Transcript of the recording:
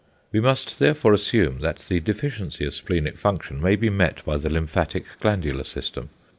We must therefore assume that the deficiency of splenic function may be met by the lymphatic glandular system.